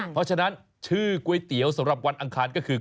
เพราะฉะนั้นชื่อก๋วยเตี๋ยวสำหรับวันอังคารก็คือ